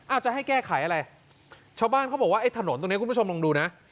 จะให้แก้ไขอะไรชาวบ้านเขาบอกว่าไอ้ถนนตรงนี้คุณผู้ชมลองดูนะ